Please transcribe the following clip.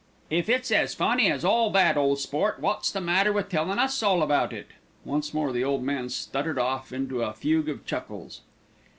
"If it's as funny as all that, ole sport, wot's the matter with tellin' us all about it?" Once more the old man stuttered off into a fugue of chuckles.